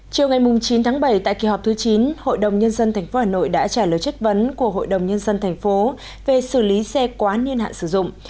chiều ngày chín tháng bảy tại kỳ họp thứ chín hội đồng nhân dân tp hà nội đã trả lời chất vấn của hội đồng nhân dân tp về xử lý xe quá niên hạn sử dụng